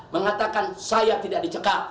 mengatakan saya tidak dicekal